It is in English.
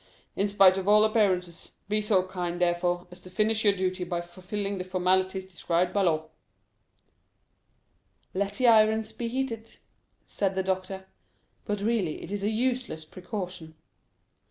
In spite of all appearances, be so kind, therefore, as to finish your duty by fulfilling the formalities described by law." "Let the irons be heated," said the doctor; "but really it is a useless precaution."